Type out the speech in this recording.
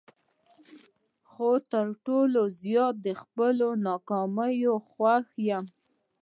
خو تر ټولو زیات د خپلو ناکامیو خوښ یم.